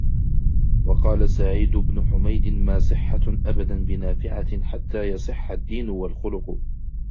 وَقَالَ سَعِيدُ بْنُ حُمَيْدٍ مَا صِحَّةٌ أَبَدًا بِنَافِعَةٍ حَتَّى يَصِحَّ الدِّينُ وَالْخُلُقُ